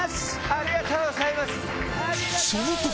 ありがとうございます！